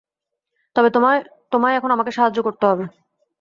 তবে তোমায় এখন আমাকে সাহায্য করতে হবে।